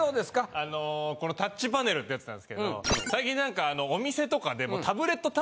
あのこのタッチパネルってやつなんですけど最近なんかお店とかでも。